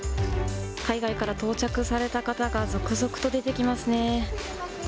海外から到着された方が続々と出てきますね。